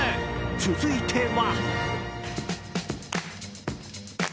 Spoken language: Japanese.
続いては。